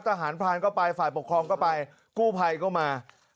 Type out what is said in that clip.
ทหารพรานก็ไปฝ่ายปกครองก็ไปกู้ภัยก็มา